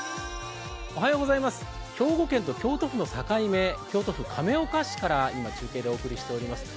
兵庫県と京都府の境目、京都府亀岡市から今、中継でお送りしています。